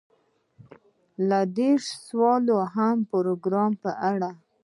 یو دېرشم سوال د پروګرام په اړه دی.